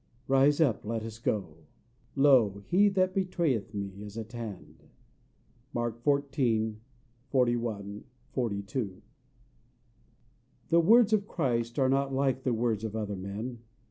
Rise up, let us go; lo, he that betrayeth me is at hand." Mark, XIV. 41, 42) The words of Christ are not like the words of other men.